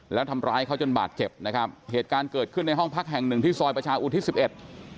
แล้วทำร้ายเขาจนบาดเจ็บนะครับเหตุการณ์เกิดขึ้นในห้องพักแห่งหนึ่งที่ซอยประชาอุทิศสิบเอ็ด